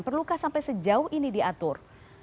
perlukah sampai sejauh ini diatur